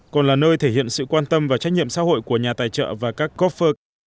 còn là nơi thể hiện sự quan tâm và trách nhiệm xã hội của nhà tài trợ và các copher